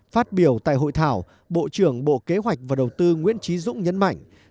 phát biểu tại hội thảo bộ trưởng bộ kế hoạch và đầu tư nguyễn trí dũng nhấn mạnh